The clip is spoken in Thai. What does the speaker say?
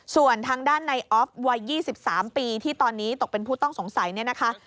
ส่วนทางด้านในออฟวัย๒๓ปีที่ตอนนี้ตกเป็นผู้ต้องสงสัยเนี่ยนะคะ